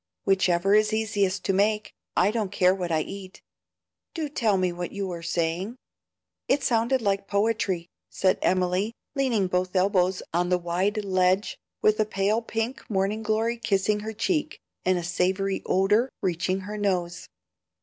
"Whichever is easiest to make. I don't care what I eat. Do tell me what you were saying. It sounded like poetry," said Emily, leaning both elbows on the wide ledge with a pale pink morning glory kissing her cheek, and a savory odor reaching her nose.